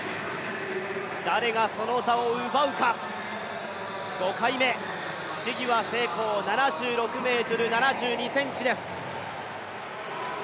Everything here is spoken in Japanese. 誰がその座を奪うか、５回目、試技は成功、７６ｍ７２ｃｍです。